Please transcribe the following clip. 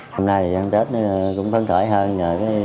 năm nay thì tháng tết nó cũng phấn thở hơn